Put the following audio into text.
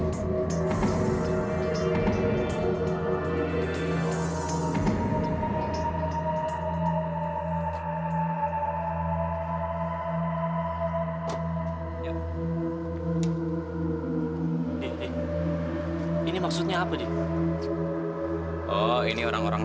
sampai jumpa di video selanjutnya